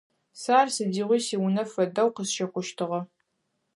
Сэ ар сыдигъуи сиунэ фэдэу къысщыхъущтыгъэ.